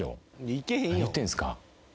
何言ってんすか。